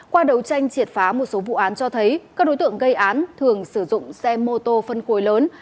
qua đấu tranh triệt phá một số vụ án cho thấy các đối tượng gây án thường sử dụng xe mô tô phân khối lớn